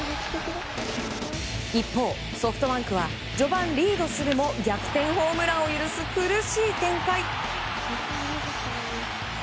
一方、ソフトバンクは序盤リードするも逆転ホームランを許す苦しい展開。